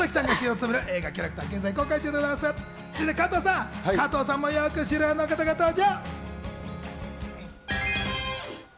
続いては加藤さんもよく知るあの方が登場。